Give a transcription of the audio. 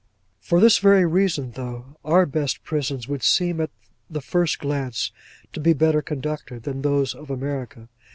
For this very reason though, our best prisons would seem at the first glance to be better conducted than those of America.